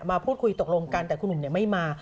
มาพูดคุยตกลงกันแต่คุณหนุ่มไม่มา